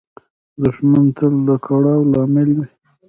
دښمن تل د کړاو لامل وي